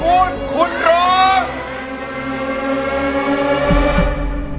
ขอบคุณร้อง